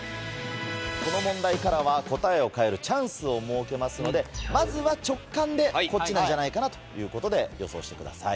この問題からは答えを変えるチャンスを設けますのでまずは直感でこっちなんじゃないかなということで予想してください。